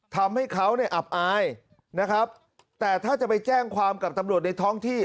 ทำให้เขาเนี่ยอับอายนะครับแต่ถ้าจะไปแจ้งความกับตำรวจในท้องที่